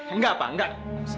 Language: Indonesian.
enggak pak enggak